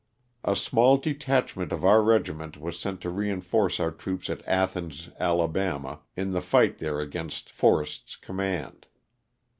A small detachment of our regiment was sent to reinforce our troops at Athens, Ala., in the fight there against Forrest's command.